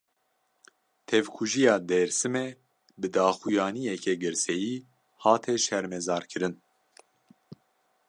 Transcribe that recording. Tevkujiya Dêrsimê, bi daxuyaniyeke girseyî hate şermezarkirin